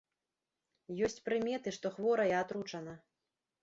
Ёсць прыметы, што хворая атручана.